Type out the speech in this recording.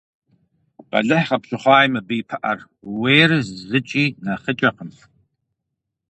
Бэлыхь къыпщыхъуаи мыбы и пыӀэр – ууейр зыкӀи нэхъыкӀэкъым.